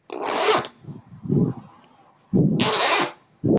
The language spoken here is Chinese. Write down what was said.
仔细分析地表径流的成因被土壤科学家作为土壤侵蚀的一个研究实例。